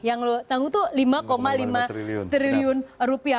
yang lo tangguh itu lima lima triliun rupiah